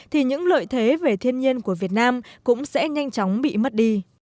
thì những lợi thế về thiên nhiên của việt nam cũng sẽ nhanh chóng bị mất đi